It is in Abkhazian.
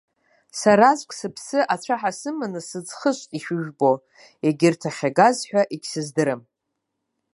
Сара аӡәк сыԥсы ацәаҳа сыманы сыӡхыҵит ишыжәбо, егьырҭ ахьагаз ҳәа егьсыздыруам.